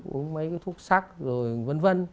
uống mấy cái thuốc sắc rồi v v